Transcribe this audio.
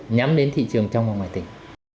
nhắm đến thị trường trong và ngoài tỉnh